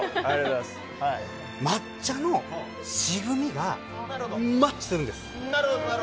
抹茶の渋みがマッチするんです。